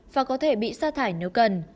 và có thể bị xa thải nếu cần